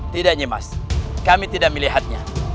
tidak nimas kami tidak melihatnya